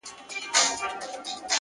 • اوس مي د هغي دنيا ميـر ويـــده دی ـ